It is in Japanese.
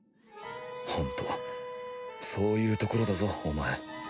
ホントそういうところだぞお前。